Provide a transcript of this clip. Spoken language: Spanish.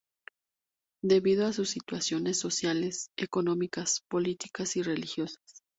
Debido a sus situaciones sociales, económicas, políticas y religiosas.